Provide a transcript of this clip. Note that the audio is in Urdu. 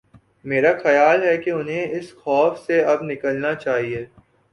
میرا خیال ہے کہ انہیں اس خوف سے اب نکلنا چاہیے۔